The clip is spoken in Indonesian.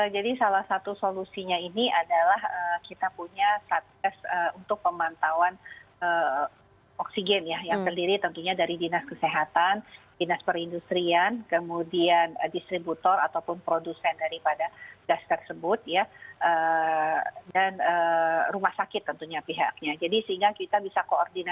jadi salah satu solusinya ini adalah kita punya satgas untuk pemanusiaan